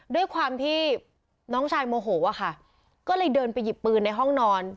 ด้วยความที่น้องชายโมโหอะค่ะก็เลยเดินไปหยิบปืนในห้องนอน